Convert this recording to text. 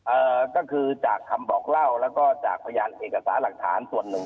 เอ่อก็คือจากคำบอกเล่าแล้วก็จากพยานเอกสารหลักฐานส่วนหนึ่ง